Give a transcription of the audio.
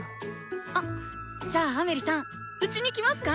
あっじゃあアメリさんうちに来ますか